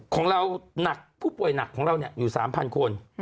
ของเราหนักผู้ป่วยหนักของเราอยู่๓๐๐คน